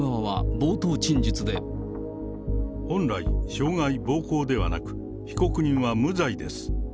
本来、傷害、暴行ではなく、被告人は無罪です。